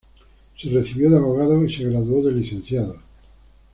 Se recibió de abogado y se graduó de licenciado.